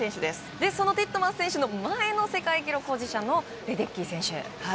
そしてそのティットマス選手の前の世界記録保持者のレデッキー選手ですね。